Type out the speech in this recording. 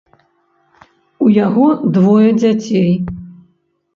У яго двое дзяцей.